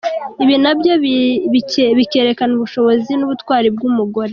Ibi nabyo bikerekana ubushobozi n’ubutwari bw’umugore.